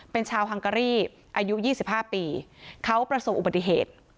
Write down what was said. เป็นชาวฮังการีอายุ๒๕ปีเขาประสบอุบัติเหตุ